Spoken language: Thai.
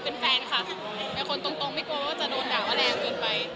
ชัดเลยชัดเลยว่าเป็นแฟนค่ะเป็นคนตรงไม่กลัวว่าจะโดนดาวอะไรเกินไป